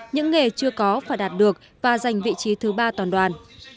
những nghề chưa có phải đạt được và giành vị trí thứ ba toàn đoàn